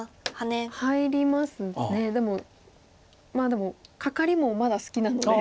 でもカカリもまだ好きなので。